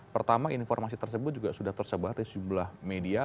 pertama informasi tersebut juga sudah tersebar di sejumlah media